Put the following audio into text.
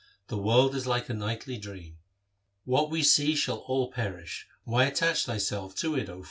The world is like a nightly dream. What we see shall all perish ; why attach thyself to it, O fool